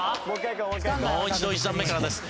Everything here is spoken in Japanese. もう一度１段目からです。